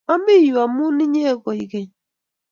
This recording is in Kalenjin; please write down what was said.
ami yu amun inye koi geny